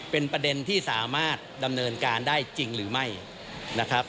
เป็นประเด็นที่สามารถดำเนินการได้จริงหรือไม่นะครับ